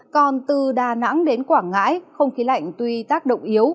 còn từ đà nẵng đến quảng ngãi không khí lạnh tuy tác động yếu